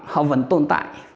họ vẫn tồn tại